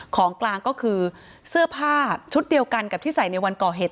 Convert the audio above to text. ของกลางก็คือเสื้อผ้าชุดเดียวกันกับที่ใส่ในวันก่อเหตุ